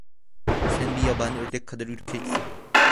Sen bir yabani ördek kadar ürkeksin…